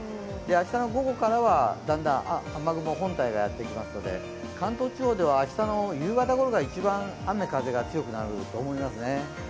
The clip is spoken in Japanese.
明日の午後からはだんだん雨雲本体がやってきますので関東地方では、明日の夕方ごろが一番雨・風が強くなると思いますね。